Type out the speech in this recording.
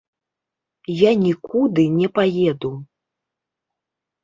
Я нікуды не паеду.